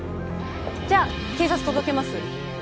じゃあ警察届けます？